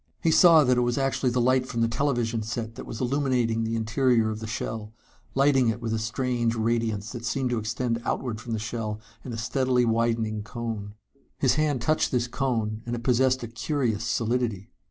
He saw that it was actually the light from the television set that was illuminating the interior of the shell, lighting it with a strange radiance that seemed to extend outward from the shell in a steadily widening cone. His hand touched this cone, and it possessed a curious solidity.